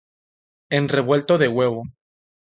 En revuelto de huevo.